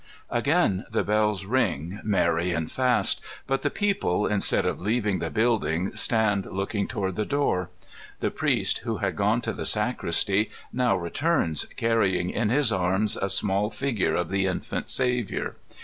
Again the bells ring, merry and fast; but the people, in stead of leaving the building, stand looking toward the door. The priest, who had gone to the sacristy, now returns, carry ing in his arms a small figure of the infant Saviour.